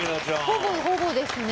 ほぼほぼですね。